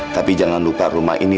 tapi jangan lupa rumah ini